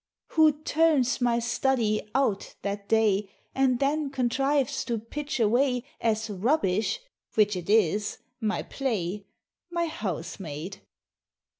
Who "turns" my study "out" that day, And then contrives to pitch away As "rubbish" (which it is) my Play? My Housemaid.